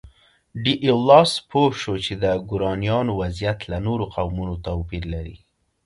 ډي ایولاس پوه شو چې د ګورانیانو وضعیت له نورو قومونو توپیر لري.